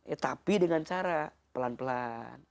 ya tapi dengan cara pelan pelan